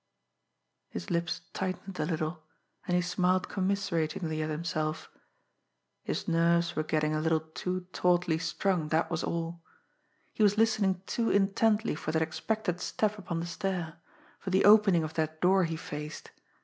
His lips tightened a little, and he smiled commiseratingly at himself. His nerves were getting a little too tautly strung, that was all; he was listening too intently for that expected step upon the stair, for the opening of that door he faced.